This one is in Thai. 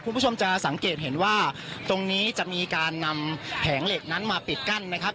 คุณผู้ชมจะสังเกตเห็นว่าตรงนี้จะมีการนำแผงเหล็กนั้นมาปิดกั้นนะครับ